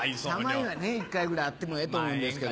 たまにはね一回ぐらいあってもええと思うんですけど。